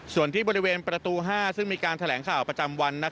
ส่วนที่บริเวณประตู๕ซึ่งมีการแถลงข่าวประจำวันนั้น